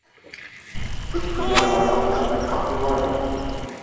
Ich geh' dann mal auf den adequaten Boiler.